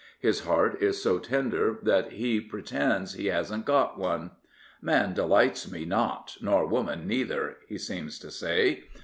His heart is so tender that he pretends he hasn^t got one. " Man delights me not, nor woman neither," he seems to say.